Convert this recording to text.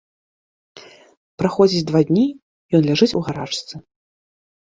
Праходзіць два дні, ён ляжыць у гарачцы.